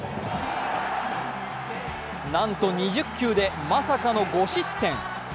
なんと２０球でまさかの５失点。